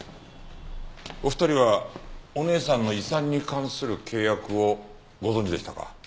お二人はお姉さんの遺産に関する契約をご存じでしたか？